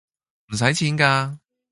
唔使錢㗎